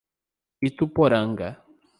Ituporanga